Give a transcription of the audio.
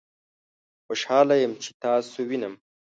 خوشحاله یم چې تاسو وینم